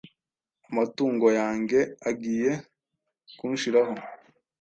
amatungo yange agiye kunshiraho